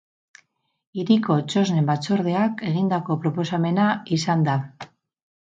Hiriko txosnen batzordeak egindako proposamena izan da.